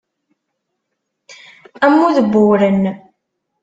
Ammud n uwren.